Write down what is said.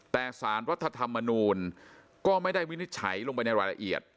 แต่สารรัฐธรรมนูลก็ไม่ได้วินิจฉัยลงไปในรายละเอียด